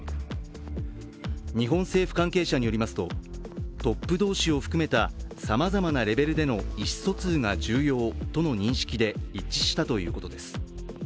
日本政府関係者によりますと、トップ同士を含めたさまざまなレベルでの意思疎通が重要との認識で一致したとのことです。